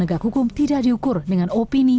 penegak hukum tidak diukur dengan opini